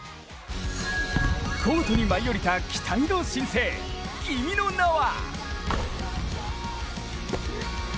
コートに舞い降りた期待の新星、君の名は。